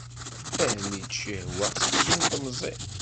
Armi d-cehwaɣ seksu n temẓin.